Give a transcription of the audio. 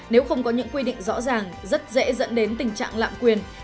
nếu không có những quy định rõ ràng rất dễ dẫn đến tình trạng lạm quyền